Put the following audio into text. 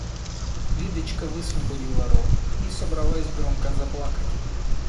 Лидочка высвободила рот и собралась громко заплакать.